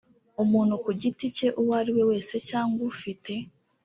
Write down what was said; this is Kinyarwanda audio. umuntu ku giti cye uwo ariwe wese cyangwa ufite